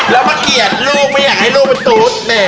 แล้วมันเกลียดลูกไม่อยากให้ลูกมันตู๊ด